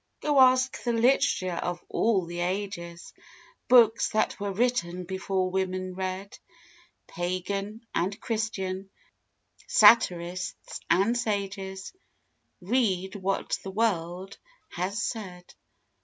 Go ask the literature of all the ages! Books that were written before women read! Pagan and Christian, satirists and sages Read what the world has said.